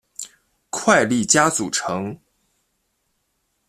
快利佳组成。